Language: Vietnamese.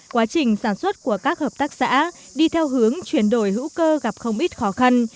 quá trình sản xuất của các hợp tác xã đi theo hướng chuyển đổi hữu cơ gặp không ít khó khăn